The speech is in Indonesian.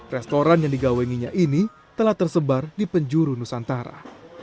restoran yang digawenginya ini telah tersebar di penjuru nusantara